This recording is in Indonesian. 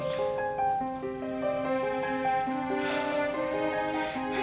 kalian berdua ini ya